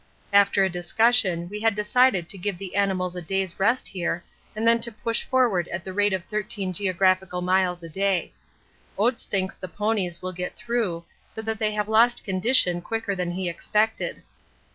After a discussion we had decided to give the animals a day's rest here, and then to push forward at the rate of 13 geographical miles a day. Oates thinks the ponies will get through, but that they have lost condition quicker than he expected.